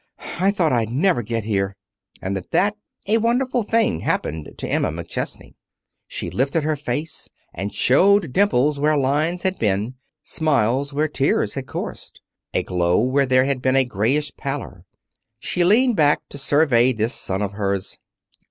I thought I'd never get here." And at that a wonderful thing happened to Emma McChesney. She lifted her face, and showed dimples where lines had been, smiles where tears had coursed, a glow where there had been a grayish pallor. She leaned back a bit to survey this son of hers.